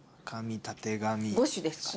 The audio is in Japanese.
五種ですかね？